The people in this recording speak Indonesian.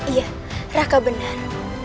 iya raka benar